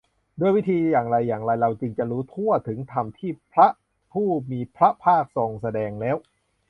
ด้วยวิธีอย่างไรอย่างไร เราจึงจะรู้ทั่วถึงธรรมที่พระผู้มีพระภาคทรงแสดงแล้ว